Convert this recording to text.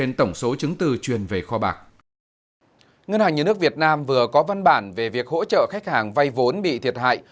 ngân hàng nhà nước việt nam vừa có văn bản về việc hỗ trợ khách hàng vay vốn bị thiệt hại